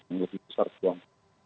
yang lebih besar peluang